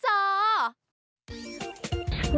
เจ้าแจ๊กริมจอ